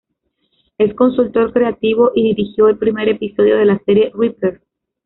Es consultor creativo y dirigió el primer episodio de la serie "Reaper".